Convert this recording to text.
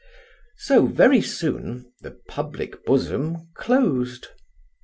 So, very soon the public bosom closed.